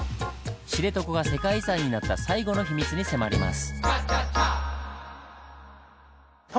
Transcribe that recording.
知床が世界遺産になった最後の秘密に迫ります。